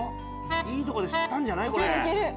いいとこで吸ったんじゃない？